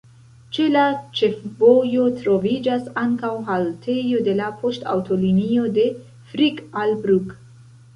Ĉe la ĉefvojo troviĝas ankaŭ haltejo de la poŝtaŭtolinio de Frick al Brugg.